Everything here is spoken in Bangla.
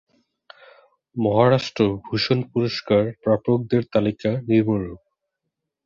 মহারাষ্ট্র ভূষণ পুরস্কার প্রাপকদের তালিকা নিম্নরূপঃ